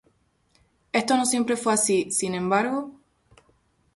Esto no siempre fue así, sin embargo.